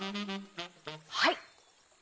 はい。